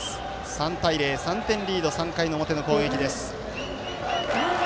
３対０、３点リード３回表の攻撃です。